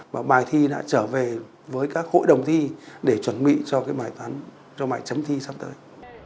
và bài thi đã trở về với các hội đồng thi để chuẩn bị cho cái bài toán cho bài chấm thi sắp tới